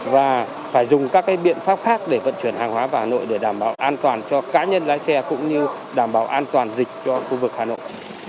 và phải dùng các biện pháp khác để vận chuyển hàng hóa vào hà nội để đảm bảo an toàn cho cá nhân lái xe cũng như đảm bảo an toàn dịch cho khu vực hà nội